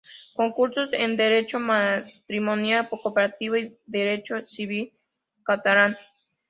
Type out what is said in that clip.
Cursos en Derecho Matrimonial, Cooperativismo y Derecho Civil catalán.